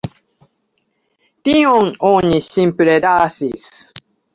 Tion oni simple lasis.